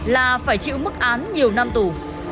là phải chịu mức án nhiều năm tù